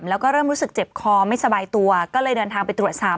แล้วก็เริ่มรู้สึกเจ็บคอไม่สบายตัวก็เลยเดินทางไปตรวจสอบ